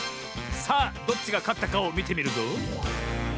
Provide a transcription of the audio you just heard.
さあどっちがかったかをみてみるぞ。